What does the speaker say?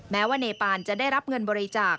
แม้ว่าเนปานจะได้รับเงินบริจาค